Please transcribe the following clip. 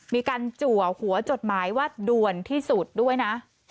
จัวหัวจดหมายว่าด่วนที่สุดด้วยนะ